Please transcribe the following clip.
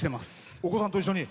お子さんと一緒に。